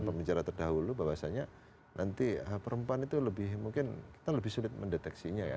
pembicara terdahulu bahwasanya nanti perempuan itu lebih mungkin kita lebih sulit mendeteksinya ya